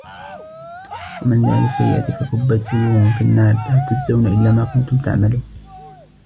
وَمَنْ جَاءَ بِالسَّيِّئَةِ فَكُبَّتْ وُجُوهُهُمْ فِي النَّارِ هَلْ تُجْزَوْنَ إِلَّا مَا كُنْتُمْ تَعْمَلُونَ